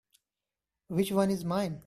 Which one is mine?